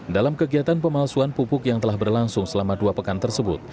dalam kegiatan pemalsuan pupuk yang telah berlangsung selama dua pekan tersebut